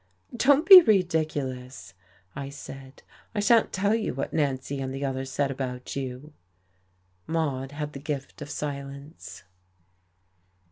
"Don't be ridiculous!" I said. "I shan't tell you what Nancy and the others said about you." Maude had the gift of silence.